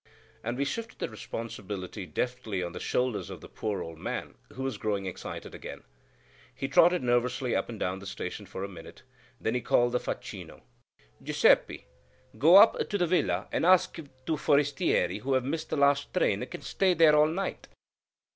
and we shifted the responsibility deftly on the shoulders of the poor old man, who was growing excited again. He trotted nervously up and down the station for a minute, then he called the facchino. "Giuseppe, go up to the villa and ask if two forestieri who have missed the last train can stay there all night!"